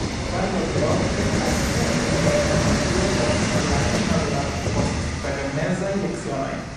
Karlo tre ofte alvenis hejmen malfrue post la fino de la posttagmezaj lecionoj.